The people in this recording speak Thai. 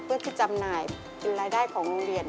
เพื่อที่จะจำนายรายได้ของโรงเรียน